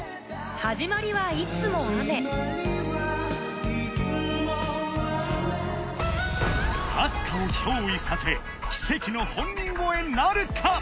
はじまりはいつも雨ＡＳＫＡを憑依させ奇跡の本人超えなるか？